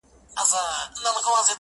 تا بدرنگۍ ته سرټيټی په لېونتوب وکړ-